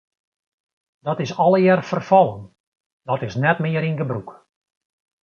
Dat is allegear ferfallen, dat is net mear yn gebrûk.